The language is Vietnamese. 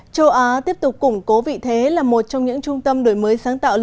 châu á tiếp tục củng cố vị thế là một trong những trung tâm đổi mới sáng tạo lớn